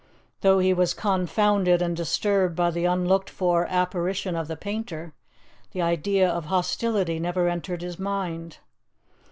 Though he was confounded and disturbed by the unlooked for apparition of the painter, the idea of hostility never entered his mind.